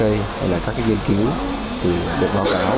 hay là các nghiên cứu được báo cáo